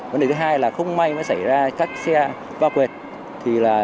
vấn đề thứ hai là không may xảy ra các xe qua quyệt